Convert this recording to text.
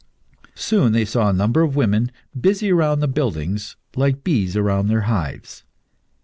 Soon they saw a number of women busy around the buildings, like bees round their hives.